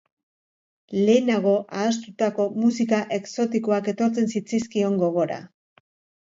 Lehenago ahaztutako musika exotikoak etortzen zitzaizkion gogora.